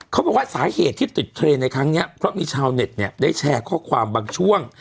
เขาบอกว่าสาเหตุที่ติดเทรนดในครั้งนี้เพราะมีชาวเน็ตเนี่ยได้แชร์ข้อความบางช่วง